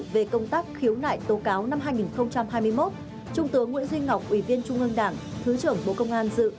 về công tác khiếu nại tố cáo năm hai nghìn hai mươi một trung tướng nguyễn duy ngọc ủy viên trung ương đảng thứ trưởng bộ công an dự